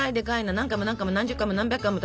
何回も何回も何十回も何百回も食べてる。